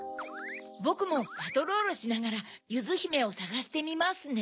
ぼくもパトロールしながらゆずひめをさがしてみますね。